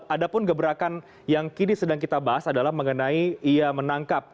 ada pun gebrakan yang kini sedang kita bahas adalah mengenai ia menangkap